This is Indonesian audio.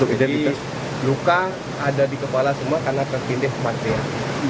jadi luka ada di kepala semua karena terpindih kemampuan